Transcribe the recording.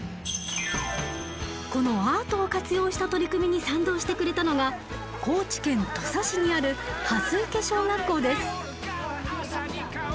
このアートを活用した取り組みに賛同してくれたのが高知県土佐市にある蓮池小学校です。